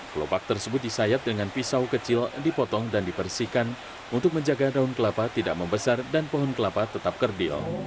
kelopak tersebut disayat dengan pisau kecil dipotong dan dipersihkan untuk menjaga daun kelapa tidak membesar dan pohon kelapa tetap kerdil